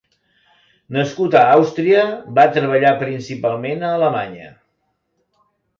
Nascut a Àustria, va treballar principalment a Alemanya.